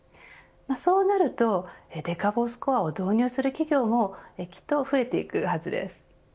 そうなるとデカボスコアを導入する企業もきっと増えていくはずです。